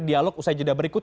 dialog usai jeda berikut